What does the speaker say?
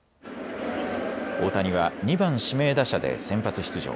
大谷は２番・指名打者で先発出場。